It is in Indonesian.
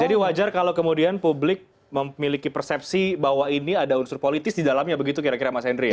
jadi wajar kalau kemudian publik memiliki persepsi bahwa ini ada unsur politis di dalamnya begitu kira kira mas henry ya